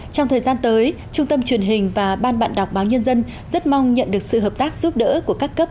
trong thời gian tới trung tâm truyền hình và ban bạn đọc báo nhân dân rất mong nhận được sự hợp tác giúp đỡ của các cấp